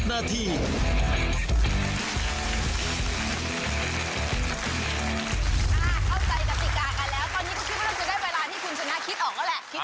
ค่ะเข้าใจกับสิกากันแล้ว